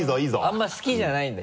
あんまり好きじゃないんだ？